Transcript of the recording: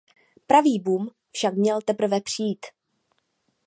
Pravý boom však měl teprve přijít.